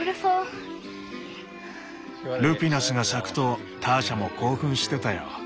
ルピナスが咲くとターシャも興奮してたよ。